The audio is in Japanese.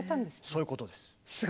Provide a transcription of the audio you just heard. そういうことです。